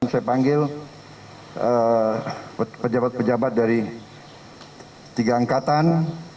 saya panggil pejabat pejabat dari tiga angkatan